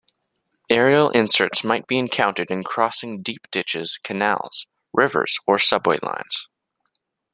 Aerial inserts might be encountered in crossing deep ditches, canals, rivers, or subway lines.